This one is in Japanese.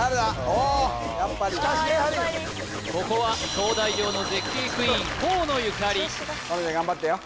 おやっぱりあやっぱりここは東大王の絶景クイーン河野ゆかり河野ちゃん頑張ってよ